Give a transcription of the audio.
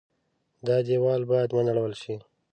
دا دېوال باید ونړول شي.